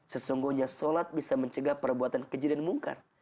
sesungguhnya sholat bisa mencegah perbuatan kejadian mungkar